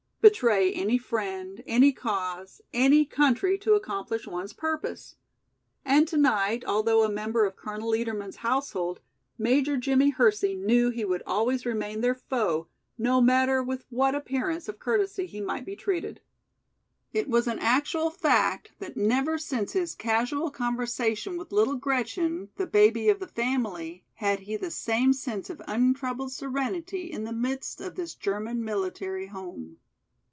Betray any friend, any cause, any country to accomplish one's purpose. And tonight, although a member of Colonel Liedermann's household, Major Jimmie Hersey knew he would always remain their foe, no matter with what appearance of courtesy he might be treated. It was an actual fact that never since his casual conversation with little Gretchen, the baby of the family, had he the same sense of untroubled serenity in the midst of this German military home.